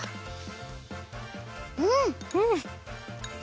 うん！